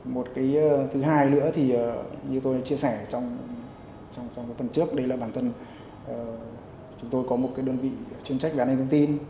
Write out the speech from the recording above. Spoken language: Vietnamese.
một cái thứ hai nữa thì như tôi đã chia sẻ trong tuần trước đây là bản thân chúng tôi có một cái đơn vị chuyên trách về an ninh thông tin